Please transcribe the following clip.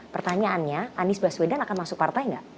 pertanyaannya anies baswedan akan masuk partai nggak